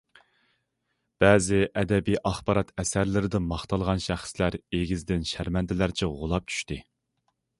بەزى ئەدەبىي ئاخبارات ئەسەرلىرىدە ماختالغان شەخسلەر ئېگىزدىن شەرمەندىلەرچە غۇلاپ چۈشتى.